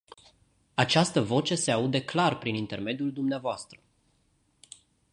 Această voce se aude clar prin intermediul dvs.